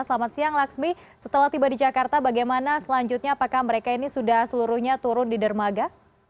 selamat siang laksmi setelah tiba di jakarta bagaimana selanjutnya apakah mereka ini sudah seluruhnya turun di dermaga